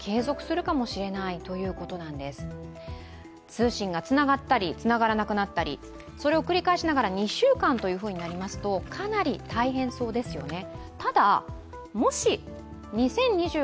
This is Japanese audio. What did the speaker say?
通信がつながったりつながらなくなったり、それを繰り返しながら２週間ということになりますと、かなり大変そうですよね。